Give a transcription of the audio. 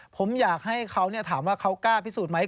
ผมอยากให้เขาถามว่าเขากล้าพิสูจนไหม